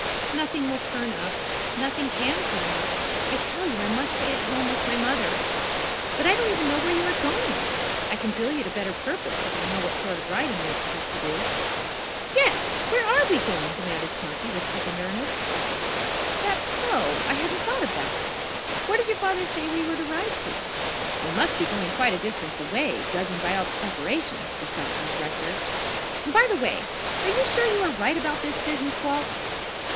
"Nothing will turn up. Nothing can turn up. I tell you, I must stay at home with my mother. But I don't even know where you are going. I can drill you to better purpose if I know what sort of riding you expect to do." "Yes! Where are we going?" demanded Chunky, with quickened interest. "That's so. I hadn't thought of that. Where did your father say we were to ride to? We must be going quite a distance away, judging by all the preparations," besought Ned Rector. "And, by the way, are you sure you are right about this business, Walt?"